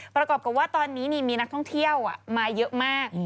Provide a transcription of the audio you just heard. ประกอบกับว่าตอนนี้มีนักท่องเที่ยวมาเยอะมาก